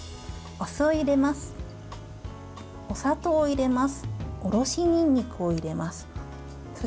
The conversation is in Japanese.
お砂糖を入れます。